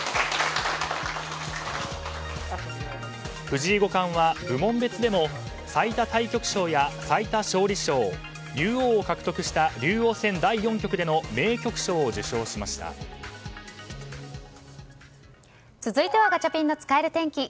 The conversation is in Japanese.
藤井五冠は部門別でも最多タイトル賞や最多勝利賞竜王を獲得した竜王戦第４局での続いてはガチャピンの使える天気。